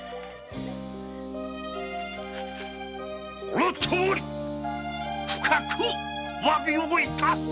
このとおり深くおわびをいたす。